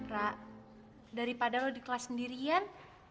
ra daripada lo di kelas sendirian